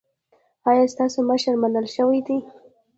ایا ستاسو مشري منل شوې ده؟